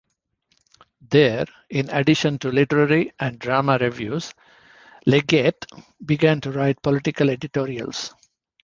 There, in addition to literary and drama reviews, Leggett began to write political editorials.